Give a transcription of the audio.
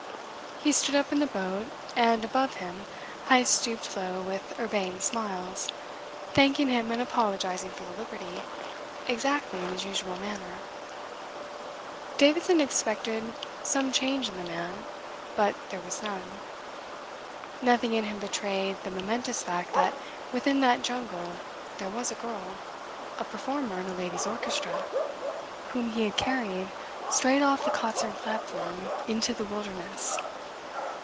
He stood up in the boat, and, above him, Heyst stooped low with urbane smiles, thanking him and apologizing for the liberty, exactly in his usual manner. Davidson had expected some change in the man, but there was none. Nothing in him betrayed the momentous fact that within that jungle there was a girl, a performer in a ladies' orchestra, whom he had carried straight off the concert platform into the wilderness.